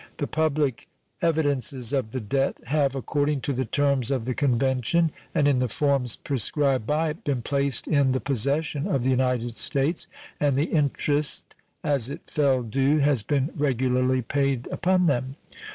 The public evidences of the debt have, according to the terms of the convention and in the forms prescribed by it, been placed in the possession of the United States, and the interest as it fell due has been regularly paid upon them.